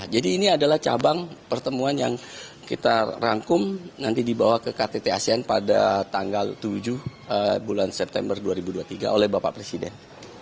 jadi ini adalah cabang pertemuan yang kita rangkum nanti dibawa ke ktt asean pada tanggal tujuh bulan september dua ribu dua puluh tiga oleh bapak presiden